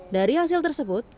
dari hasil tersebut